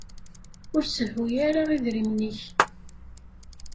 Ur sehhu ara idrimen-ik.